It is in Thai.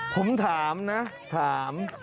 ผมถามนะถาม